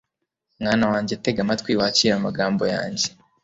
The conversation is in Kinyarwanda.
mwana wanjye, tega amatwi, wakire amagambo yanjye